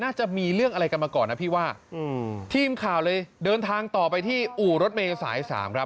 จะมีเรื่องอะไรกันมาก่อนนะพี่ว่าอืมทีมข่าวเลยเดินทางต่อไปที่อู่รถเมย์สายสามครับ